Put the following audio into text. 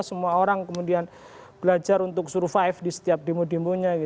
semua orang kemudian belajar untuk survive di setiap demo demonya